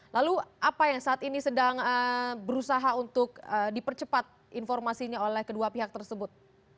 lalu apa yang saat ini sedang berusaha untuk dipercepat informasinya oleh kedua pihak tersebut